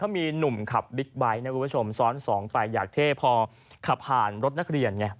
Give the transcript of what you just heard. มีหนุ่มขับบิ๊กไบท์ซ้อนสองไปอยากเทพอขับผ่านรถนักเรียน